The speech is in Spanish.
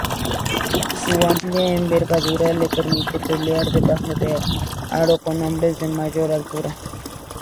Su amplía envergadura le permite pelear debajo del aro con hombres de mayor altura.